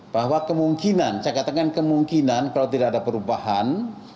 bahwa kemungkinan saya katakan kemungkinan kalau tidak ada perubahan